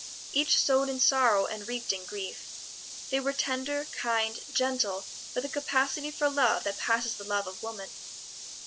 Each sowed in sorrow and reaped in grief. They were tender, kind, gentle, with a capacity for love that passes the love of woman.